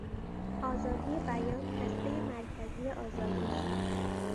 آزادی بیان هستهی مرکزی آزادی است.